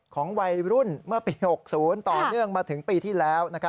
ของวัยรุ่นเมื่อปี๖๐ต่อเนื่องมาถึงปีที่แล้ว